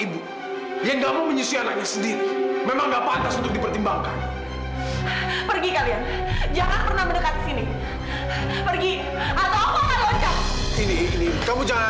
dil lepasin tangan gua dil nanti lu ikutan jatuh